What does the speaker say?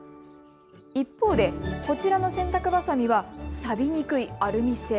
一方でこちらの洗濯ばさみは、さびにくいアルミ製。